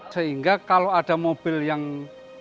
sehingga kalau ada mobil yang